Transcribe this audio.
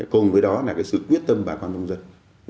cùng với đó là sự quyết tâm bảo vệ nông dân